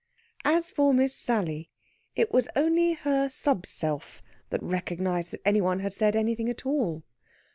As for Miss Sally, it was only her subself that recognised that any one had said anything at all.